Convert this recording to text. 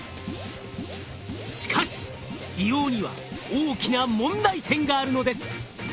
しかし硫黄には大きな問題点があるのです。